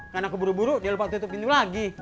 karena keburu buru dia lupa tutup pintu lagi